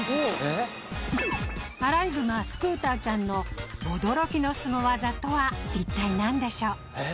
アライグマスクーターちゃんの驚きのスゴ技とは一体なんでしょう？